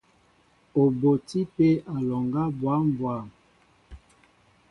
Ó botí pē alɔŋgɛ́ bwâm bwâm.